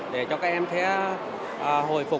để cho các em thấy hồi phục